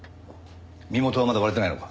身元はまだ割れてないのか？